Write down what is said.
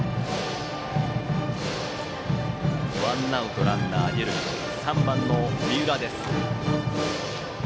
ワンアウト、ランナー二塁で３番の三浦です。